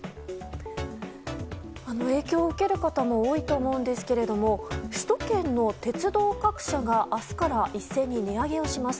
影響を受ける方も多いと思うんですが首都圏の鉄道各社が明日から一斉に値上げをします。